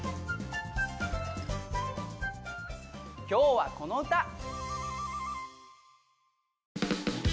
今日はこの歌。